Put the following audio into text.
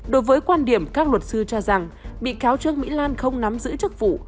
đối với quan điểm các luật sư cho rằng bị cáo trương mỹ lan không nắm giữ chức vụ